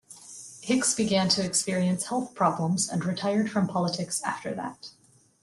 Hicks began to experience health problems and retired from politics after that.